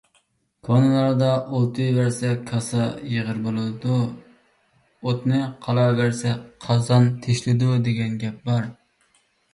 كونىلاردا: «ئولتۇرۇۋەرسە كاسا يېغىر بولىدۇ! ئوتنى قالاۋەرسە قازان تېشىلىدۇ» دېگەن گەپ بار.